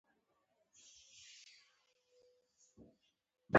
دا زما په څیر د هارډویر پوهانو سره پاتې کیږي